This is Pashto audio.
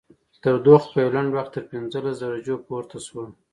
تودوخه په یوه لنډ وخت کې تر پنځلس درجو پورته شوه